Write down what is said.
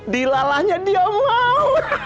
dilalahnya dia mau